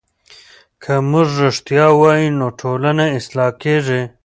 که موږ رښتیا وایو نو ټولنه اصلاح کېږي.